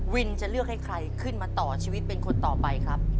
จะเลือกให้ใครขึ้นมาต่อชีวิตเป็นคนต่อไปครับ